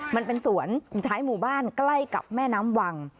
มันเป็นสวนท้ายหมู่บ้านใกล้กับแม่น้ำวัง